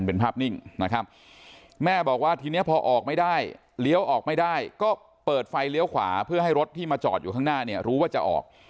เป็นภาพนิ่งนะครับแม่บอกว่าทีนี้พอออกไม่ได้เลี้ยวออกไม่ได้ก็เปิดไฟเลี้ยวขวาเพื่อให้รถที่มาจอดอยู่ข้างหน้าเนี่ยรู้ว่าจะออก